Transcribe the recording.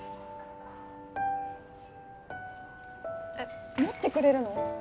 えっ持ってくれるの？